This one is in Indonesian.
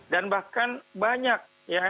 dan bahkan banyak